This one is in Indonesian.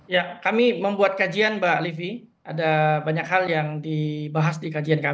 ya kami membuat kajian mbak livi ada banyak hal yang dibahas di kajian kami